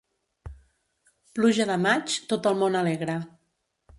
Pluja de maig, tot el món alegra.